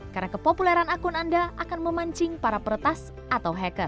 karena kepopuleran akun anda akan memancing para peretas atau hacker